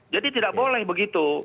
jadi tidak boleh begitu